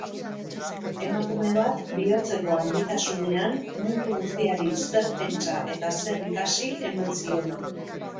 Emakume bat bihotzeko handitasunean, mundu guztiari zer pentsa eta zer ikasi eman ziona.